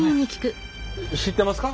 知ってますか？